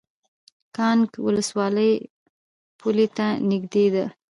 کانګ ولسوالۍ پولې ته نږدې ده؟